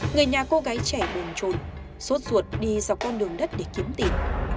người nhà cô gái trẻ buồn trồn xốt ruột đi dọc con đường đất để kiếm tiền